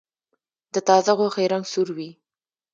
د تازه غوښې رنګ سور وي.